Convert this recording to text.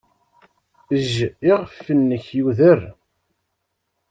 Ejj iɣef-nnek yuder.